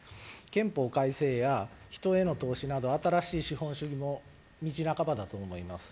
憲法改正や人への投資など新しい資本主義も道半ばだと思います。